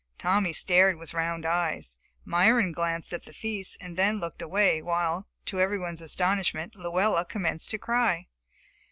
Tommy stared with round eyes. Myron glanced at the feast and then looked away while, to everyone's astonishment, Luella commenced to cry.